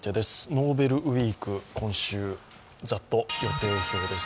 ノーベルウイーク、今週ざっと予定表です。